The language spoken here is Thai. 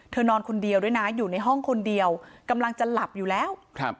นอนคนเดียวด้วยนะอยู่ในห้องคนเดียวกำลังจะหลับอยู่แล้ว